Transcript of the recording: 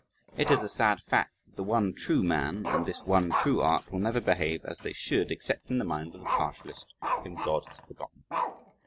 It is a sad fact that the one true man and the one true art will never behave as they should except in the mind of the partialist whom God has forgotten.